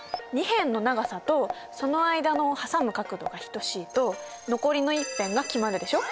２辺の長さとその間の挟む角度が等しいと残りの１辺が決まるでしょ。